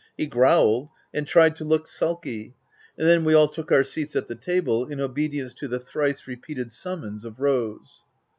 He growled, and tried to look sulky, and then, we all took our seats at the table, in obedience to the thrice repeated summons of Rose.